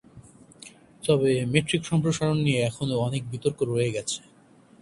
তবে মেট্রিক সম্প্রসারণ নিয়ে এখনও অনেক বিতর্ক রয়ে গেছে।